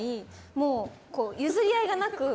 もう譲り合いがなく。